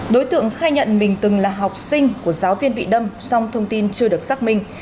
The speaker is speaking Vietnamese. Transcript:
đối tượng khai nhận mình từng là học sinh của giáo viên bị đâm song thông tin chưa được xác minh